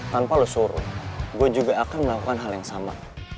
tanpa lusuru gue juga akan melakukan hal yang sama